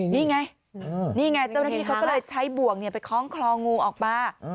นี่ไงเจ้านักงี้เขาก็เลยใช้บ่วงไปคล้องคลองูออกมา